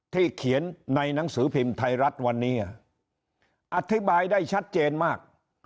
เขียนในหนังสือพิมพ์ไทยรัฐวันนี้อธิบายได้ชัดเจนมาก